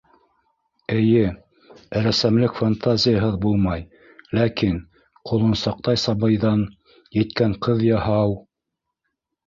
Эйе, рәссамлыҡ фантазияһыҙ булмай, ләкин, ҡолонсаҡтай сабыйҙан еткән ҡыҙ яһау...